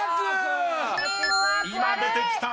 ［今出てきた。